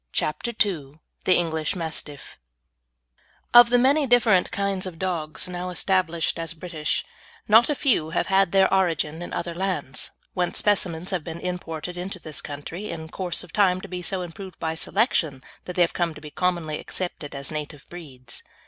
CHAPTER II THE ENGLISH MASTIFF Of the many different kinds of dogs now established as British, not a few have had their origin in other lands, whence specimens have been imported into this country, in course of time to be so improved by selection that they have come to be commonly accepted as native breeds.